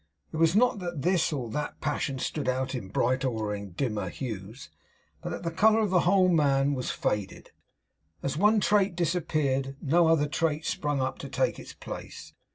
It was not that this or that passion stood out in brighter or in dimmer hues; but that the colour of the whole man was faded. As one trait disappeared, no other trait sprung up to take its place.